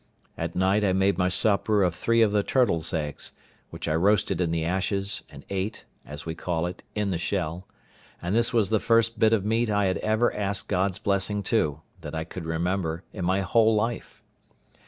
At night I made my supper of three of the turtle's eggs, which I roasted in the ashes, and ate, as we call it, in the shell, and this was the first bit of meat I had ever asked God's blessing to, that I could remember, in my whole life.